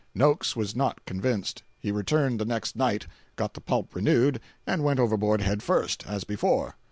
Noakes was not convinced. He returned the next night, got the pulp renewed, and went overboard head first, as before.